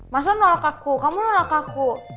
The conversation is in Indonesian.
masa nolak aku kamu nolak aku